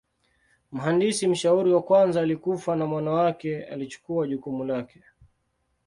Mhandisi mshauri wa kwanza alikufa na mwana wake alichukua jukumu lake.